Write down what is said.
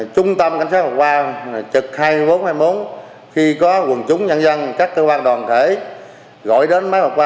trung tâm cảnh sát một ba trực hai mươi bốn hai mươi bốn khi có quần chúng nhân dân các cơ quan đoàn thể gọi đến máy một ba